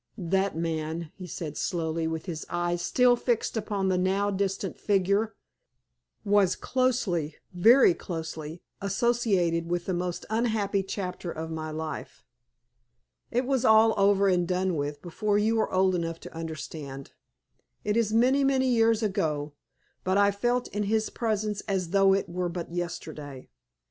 "That man," he said, slowly, with his eyes still fixed upon the now distant figure, "was closely, very closely, associated with the most unhappy chapter of my life. It was all over and done with before you were old enough to understand. It is many, many years ago, but I felt in his presence as though it were but yesterday.